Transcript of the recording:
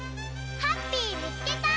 ハッピーみつけた！